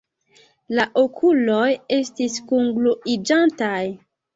La okuloj estis kungluiĝantaj.